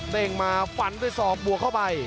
่งมาฟันด้วยศอกบวกเข้าไป